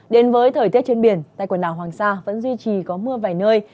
đến với thời tiết trên biển tại quần đảo hoàng sa vẫn duy trì có mưa vài nơi